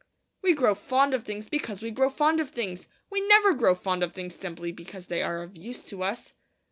We grow fond of things because we grow fond of things; we never grow fond of things simply because they are of use to us.